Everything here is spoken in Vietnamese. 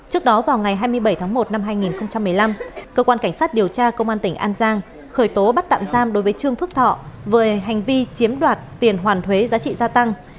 trước đó vào ngày hai mươi bảy tháng một năm hai nghìn một mươi năm cơ quan cảnh sát điều tra công an tỉnh an giang khởi tố bắt tạm giam đối với trương phước thọ về hành vi chiếm đoạt tiền hoàn thuế giá trị gia tăng